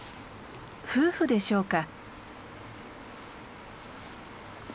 夫婦でしょうか。